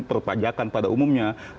perpajakan pada umumnya